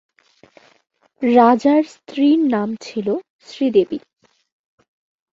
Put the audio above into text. রাজার স্ত্রীর নাম ছিল শ্রীদেবী।